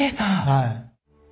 はい。